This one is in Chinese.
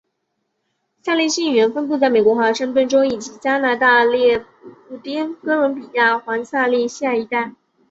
萨利希语言分布在美国华盛顿州以及加拿大不列颠哥伦比亚环萨利希海一带。